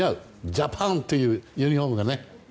ジャパンというユニホームがね。